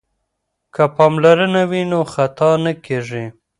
که پاملرنه وي نو خطا نه کیږي.